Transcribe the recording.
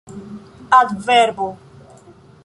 adverbo